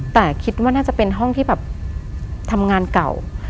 แต่คิดว่าน่าจะเป็นห้องที่แบบทำงานเก่า